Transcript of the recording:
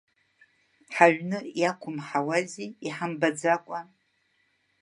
Ҳаҩны иақәымҳауази, иҳамбаӡакәа!